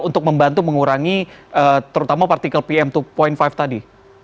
untuk membantu mengurangi terutama partikel pm dua lima tadi